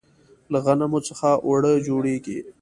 له غنمو څخه اوړه جوړیږي.